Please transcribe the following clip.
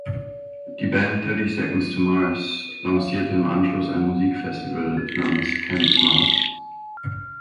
Die Band Thirty Seconds to Mars lancierte im Anschluss ein Musikfestival namens Camp Mars.